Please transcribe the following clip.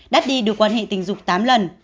daddy được quan hệ tình dục tám lần